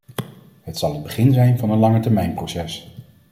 Het zal het begin zijn van een langetermijnproces.